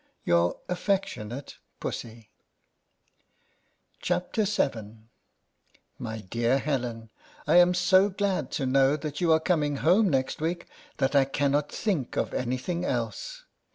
Your affectionate PUSSY. VII. MY DEAR HELEN: I am so glad to know that you are coming home next week, that I cannot think of any thing else.